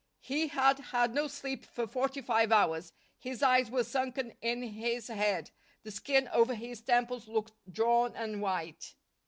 He had had no sleep for forty five hours; his eyes were sunken in his head; the skin over his temples looked drawn and white.